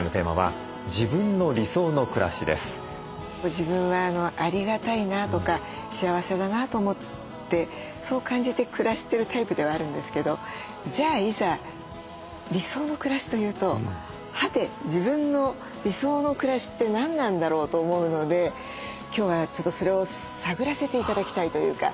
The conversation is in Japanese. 自分はありがたいなとか幸せだなと思ってそう感じて暮らしてるタイプではあるんですけどじゃあいざ理想の暮らしというとはて自分の理想の暮らしって何なんだろう？と思うので今日はちょっとそれを探らせて頂きたいというか。